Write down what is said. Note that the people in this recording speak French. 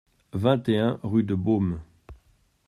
vingt et un rue de Beaume